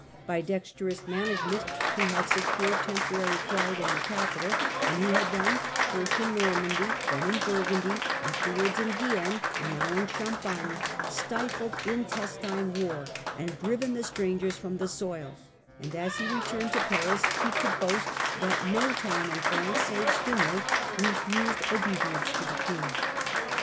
By dexterous manage ment he had secured temporary quiet in the capital, and he had then, first in Normandy, next in Burgundy, after wards in Guienne, and now in Champagne, stifled intestine war and driven the stranger from the soil ; and as he re turned to Paris he could boast that no town in France save Stenai refused obedience to the King.